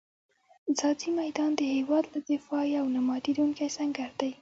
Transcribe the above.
ځاځي میدان د هېواد له دفاع یو نه ماتېدونکی سنګر دی.